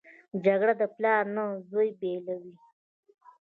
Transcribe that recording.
جګړه د پلار نه زوی بېلوي